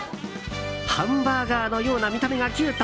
ハンバーガーのような見た目がキュート。